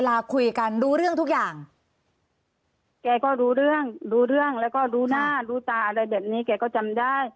แล้วก็ดูหน้าดูตลาดแบบนี้แกก็จำได้